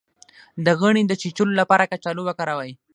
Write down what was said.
د غڼې د چیچلو لپاره کچالو وکاروئ